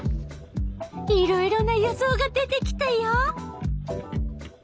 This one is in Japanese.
いろいろな予想が出てきたよ。